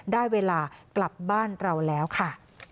ได้เวลากลับบ้านเราแล้วค่ะ